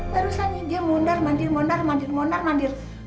baru saja dia mondar mandir mondar mandir mondar mandir